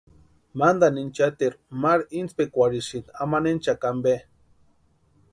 Mantani inchateru Mari intspikwarhisïnti amanhenchakwa ampe.